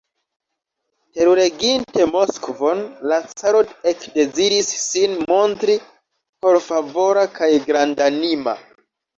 Terureginte Moskvon, la caro ekdeziris sin montri korfavora kaj grandanima.